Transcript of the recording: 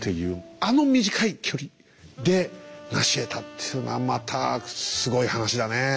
あの短い距離でなしえたっていうのはまたすごい話だねえ。